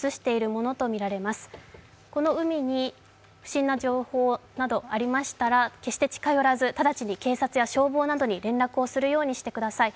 この海に不審な情報などありましたら、決して近寄らず、直ちに警察や消防などに連絡するようにしてください。